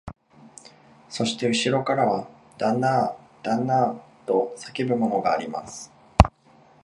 そしてうしろからは、旦那あ、旦那あ、と叫ぶものがあります